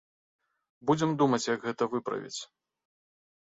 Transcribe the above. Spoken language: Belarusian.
Будзем думаць, як гэта выправіць.